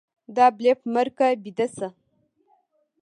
دا بلپ مړ که ويده شه.